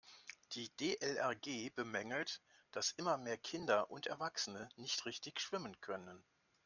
Die DLRG bemängelt, dass immer mehr Kinder und Erwachsene nicht richtig schwimmen können.